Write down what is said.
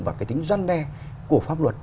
và cái tính doanh đe của pháp luật